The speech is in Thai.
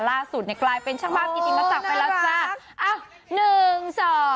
ล่าสุดในกลายเป็นช่างบ้านกิจกรรมต่อไปแล้วจ้ะ